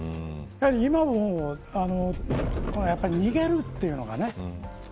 今も逃げるというのがね